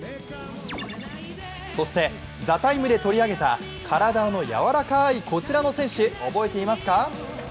そして、「ＴＨＥＴＩＭＥ，」で取り上げた体の柔らかいこちらの選手、覚えていますか？